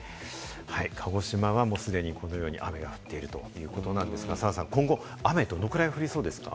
鹿児島は既に、このように雨が降っているということですが、澤さん、今後、雨はどのぐらい降りそうですか？